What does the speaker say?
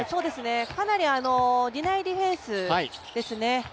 かなりのディフェンスですね。